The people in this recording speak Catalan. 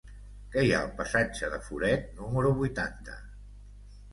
Què hi ha al passatge de Foret número vuitanta?